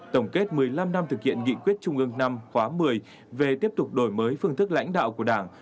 tổng kết một mươi năm năm thực hiện nghị quyết trung ương năm khóa một mươi về tiếp tục đổi mới phương thức lãnh đạo của đảng